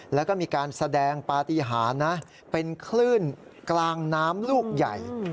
แล้วก็มีการแสดงปฏิหารนะเป็นคลื่นกลางน้ำลูกใหญ่